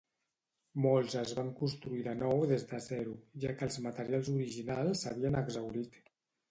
Molts es van construir de nou des de zero, ja que els materials originals s'havien exhaurit.